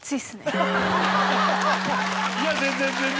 いや全然全然。